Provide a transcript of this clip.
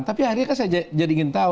tapi akhirnya kan saya jadi ingin tahu